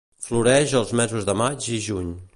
Floreix els mesos de maig i juny.